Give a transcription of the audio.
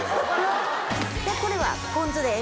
これはポン酢です。